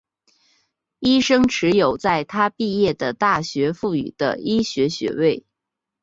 医生持有在他毕业的大学赋予的医学学位。